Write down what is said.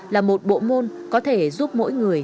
là một bộ môn có thể giúp mỗi người